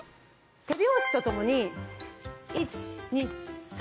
手拍子とともに１２３！